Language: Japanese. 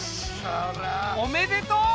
おめでとう！